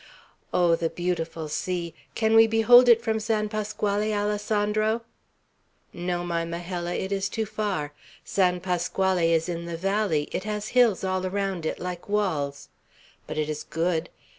Oh, the beautiful sea! Can we behold it from San Pasquale, Alessandro?" "No, my Majella, it is too far. San Pasquale is in the valley; it has hills all around it like walls. But it is good.